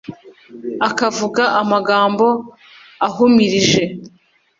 ukavuga amagambo uhumirije